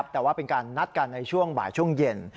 แต่ว่าเป็นการนัดกันในช่วงบ่ายช่วงเย็น